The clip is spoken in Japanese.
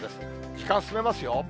時間進めますよ。